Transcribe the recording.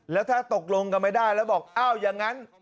แล้วถ้าตกลงกันไม่ได้แล้วบอกอ้าวอย่างนั้น